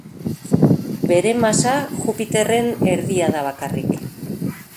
Bere masa Jupiterren erdia da bakarrik.